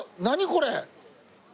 これ。